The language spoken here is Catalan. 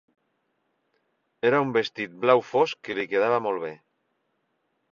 Era un vestit blau fosc que li quedava molt bé.